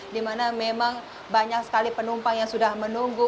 di mana memang banyak sekali penumpang yang sudah menunggu